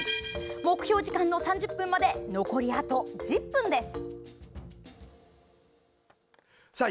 目標時間の３０分まで残り、あと１０分です。